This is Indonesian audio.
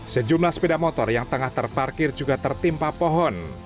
sejumlah sepeda motor yang tengah terparkir juga tertimpa pohon